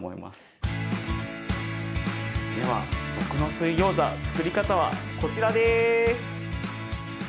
では僕の水ギョーザつくり方はこちらです！